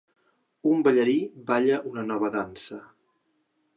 Un ballarí balla una nova dansa.